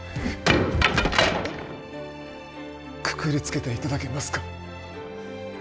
くくりつけて頂けますか？